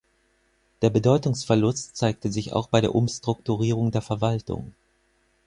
Der Bedeutungsverlust zeigte sich auch bei der Umstrukturierung der Verwaltung.